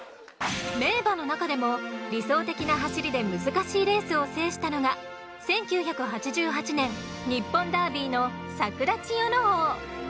名馬の中でも理想的な走りで難しいレースを制したのが１９８８年日本ダービーのサクラチヨノオー。